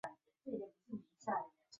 一个位元流是一个位元的序列。